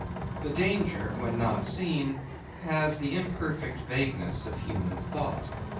The danger, when not seen, has the imperfect vagueness of human thought.